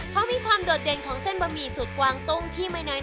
เขามีความโดดเด่นของเส้นบะหมี่สุดกวางตุ้งที่ไม่น้อย